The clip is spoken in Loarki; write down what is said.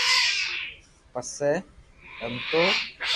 پسي رمتو